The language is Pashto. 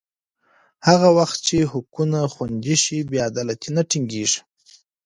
هغه وخت چې حقونه خوندي شي، بې عدالتي نه ټینګېږي.